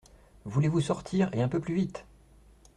Voulez-vous sortir et un peu plus vite !